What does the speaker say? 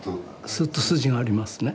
すっと筋がありますね。